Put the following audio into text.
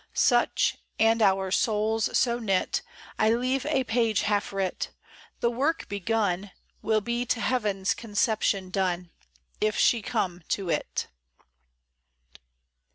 Such : and our souls so knit, I leave a page half writ — The work begun Will be to heaven's conception done, If she come to it.